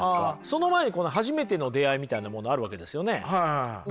その前に初めての出会いみたいなものあるわけですよね？